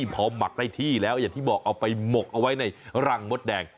พอหมักได้ที่แล้วอย่างที่บอกเอาไปหมกเอาไว้ในรังมดแดง